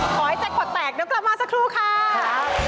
ขอให้จัดขวดแตกแล้วกลับมาสักครู่ค่ะ